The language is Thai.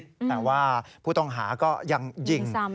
แต่ว่าผู้ต้องหาก็ยังยิง